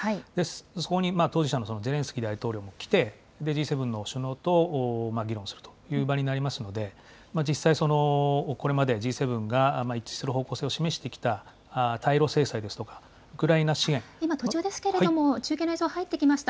そこに当事者のゼレンスキー大統領も来て、Ｇ７の首脳と議論するという場になりますので、実際、これまでＧ７が一致する方向性を示してきた対ロ制裁ですとか、ウ今、途中ですけれども、中継の映像入ってきました。